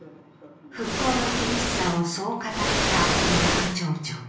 復興の厳しさをそう語った伊澤町長。